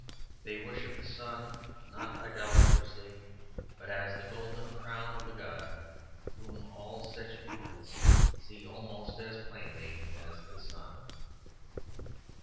They worshipped the sun, not idolatrously, but as the golden crown of the god whom all such infants see almost as plainly as the sun.